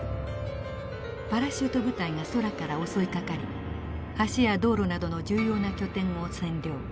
パラシュート部隊が空から襲いかかり橋や道路などの重要な拠点を占領。